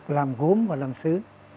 làm gốm và làm xứ